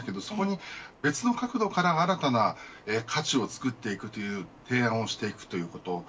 そこに別の角度から新たな価値をつくっていくという提案をしていくということ。